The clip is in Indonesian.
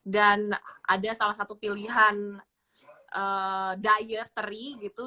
dan ada salah satu pilihan dietary gitu